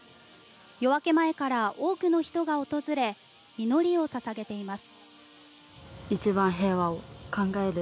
夜明け前から多くの人が訪れ祈りを捧げています。